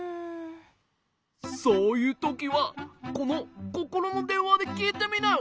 そういうときはこのココロのでんわできいてみなよ！